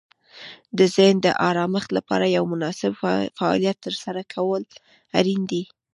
د ذهن د آرامښت لپاره یو مناسب فعالیت ترسره کول اړین دي.